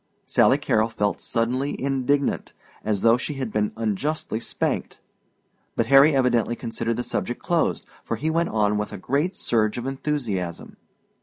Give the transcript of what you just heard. Sally Carrol felt suddenly indignant as though she had been unjustly spanked but Harry evidently considered the subject closed, for he went on with a great surge of enthusiasm.